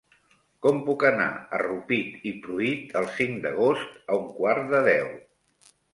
Com puc anar a Rupit i Pruit el cinc d'agost a un quart de deu?